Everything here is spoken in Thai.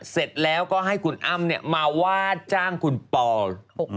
เสร็จแล้วก็ให้คุณอ้ำมาว่าจ้างคุณปอล